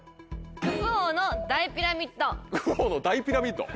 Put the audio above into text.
クフ王の大ピラミッド。